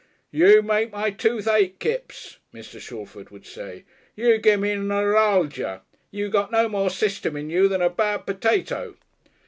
"You make my tooth ache, Kipps," Mr. Shalford would say. "You gimme n'ralgia. You got no more System in you than a bad potato."